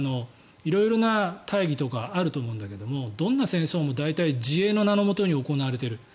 色々な大義とかあると思うんだけどどんな戦争も大体自衛の名のもとに行われている。